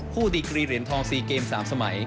ดีกรีเหรียญทอง๔เกม๓สมัย